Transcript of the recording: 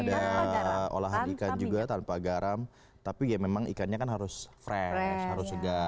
ada olahan ikan juga tanpa garam tapi ya memang ikannya kan harus fresh harus segar